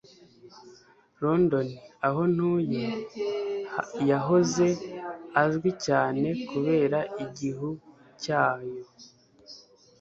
London, aho ntuye, yahoze azwi cyane kubera igihu cyayo.